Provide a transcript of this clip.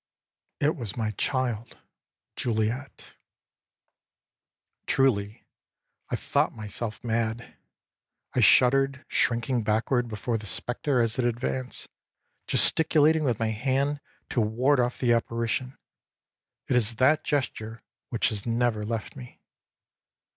â âIt was my child, Juliette. âTruly, I thought myself mad. I shuddered, shrinking backward before the specter as it advanced, gesticulating with my hand to ward off the apparition. It is that gesture which has never left me.